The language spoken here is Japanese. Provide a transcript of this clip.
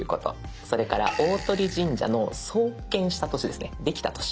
それから大鳥神社の創建した年ですねできた年。